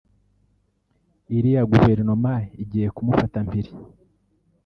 iriya guverinoma igiye kumufata mpiri